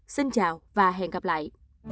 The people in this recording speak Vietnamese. xin chào và hẹn gặp lại